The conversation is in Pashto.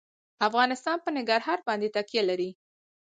افغانستان په ننګرهار باندې تکیه لري.